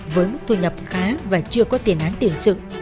với mức thu nhập khá và chưa có tiền án tiền sự